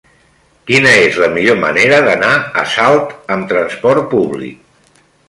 Quina és la millor manera d'anar a Salt amb trasport públic?